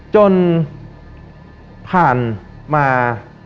จนผ่านมา